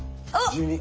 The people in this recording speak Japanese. １２。